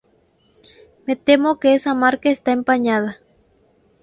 Me temo que esa marca está empañada.